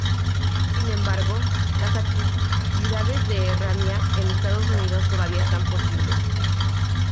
Sin embargo, las actividades de RaNia en Estados Unidos todavía estaban posibles.